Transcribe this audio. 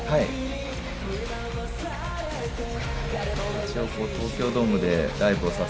一応これ東京ドームでライブをさせて頂いた時の。